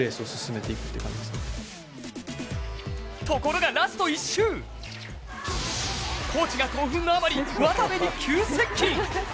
ところがラスト１周、コーチが興奮のあまり渡部に急接近。